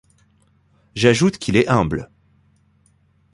J’ajoute qu’il est humble.